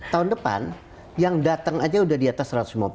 tahun depan yang datang aja udah di atas satu ratus lima puluh